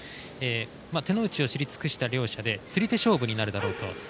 手の内を知り尽くした両者で釣り手勝負になるだろうと。